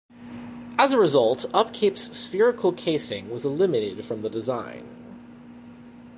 As a result, Upkeep's spherical casing was eliminated from the design.